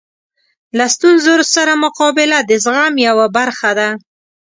له ستونزو سره مقابله د زغم یوه برخه ده.